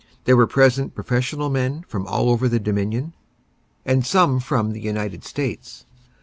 There were present professional men from all over the Dominion, and some from the United States.